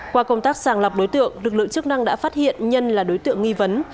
qua công tác sàng lọc đối tượng lực lượng chức năng đã phát hiện nhân là đối tượng nghi vấn